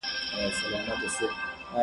هغه وويل چي اوبه څښل ضروري دي!!